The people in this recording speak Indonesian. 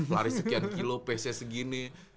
lari sekian kilo pace nya segini